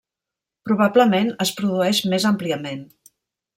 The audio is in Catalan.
Probablement es produeix més àmpliament.